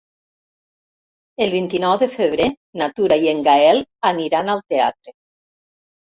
El vint-i-nou de febrer na Tura i en Gaël aniran al teatre.